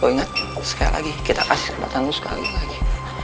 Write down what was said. lo ingat sekali lagi kita kasih kelebatan lo sekali lagi